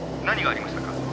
何がありましたか？」